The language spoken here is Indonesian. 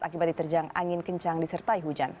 akibat diterjang angin kencang disertai hujan